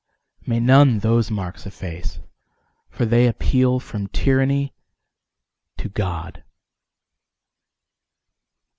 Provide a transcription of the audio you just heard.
May none those marks efface! For they appeal from tyranny to God.